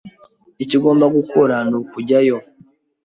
Icyo ugomba gukora nukujyayo.